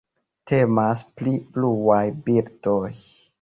Temas pri bluaj birdoj.